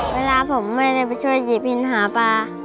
เวลาผมไม่ได้ไปช่วยหยิบหินหาปลา